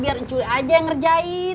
biar curi aja yang ngerjain